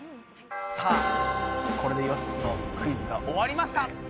さあこれで４つのクイズが終わりました。